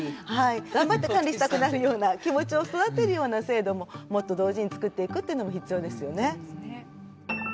頑張って管理したくなるような気持ちを育てるような制度ももっと同時に作っていくっていうのも必要ですよね。